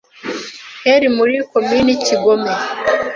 heri muri Komini Kigome